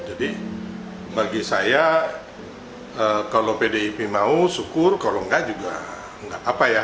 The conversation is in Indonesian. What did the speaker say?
jadi bagi saya kalau pdip mau syukur kalau enggak juga enggak apa ya